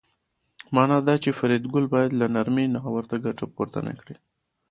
مانا دا چې فریدګل باید له نرمۍ ناوړه ګټه پورته نکړي